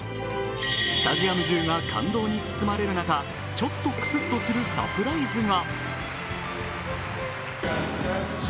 スタジアム中が感動に包まれる中、ちょっとクスッとするサプライズが。